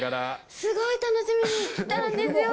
すごい楽しみに来たんですよ。